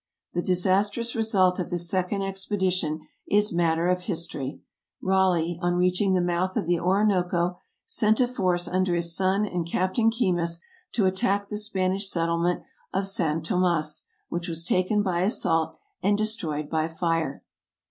The disastrous result of this second expedition is matter of history. Raleigh, on reaching the mouth of the Orinoco, sent a force under his son and Captain Keymis to attack the Spanish settlement of San Tomas, which was taken by assault and destroyed by fire.